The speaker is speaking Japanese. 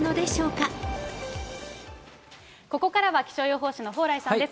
ここからは気象予報士の蓬莱さんです。